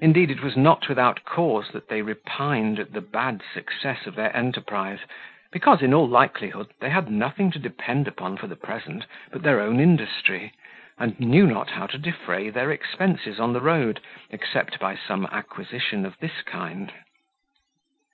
Indeed, it was not without cause that they repined at the bad success of their enterprise; because, in all likelihood, they had nothing to depend upon for the present but their own industry, and knew not how to defray their expenses on the road, except by some acquisition of this kind.